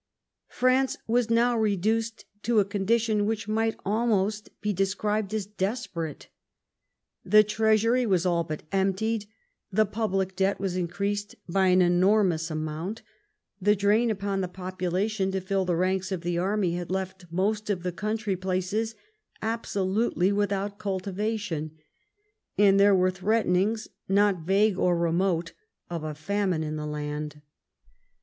France was now reduced to a condition which might almost be described as desperate. The treasury was all but emptied; the public debt was increased by an enormous amount; the drain upon the population to fill the ranks of the army had left most of the country places absolutely without cultivation, and there were threatenings, not vague or remote, of a famine in the land.